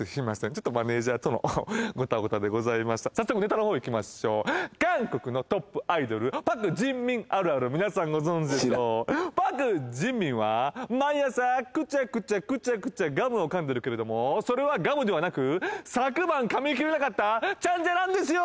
ちょっとマネージャーとのゴタゴタでございました早速ネタのほういきましょう皆さんご存じのパク・ジンミンは毎朝くちゃくちゃくちゃくちゃガムを噛んでるけれどもそれはガムではなく昨晩噛みきれなかったチャンジャなんですよ